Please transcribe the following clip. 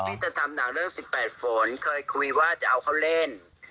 จะทำหนังเรื่อง๑๘ฝนเคยคุยว่าจะเอาเขาเล่น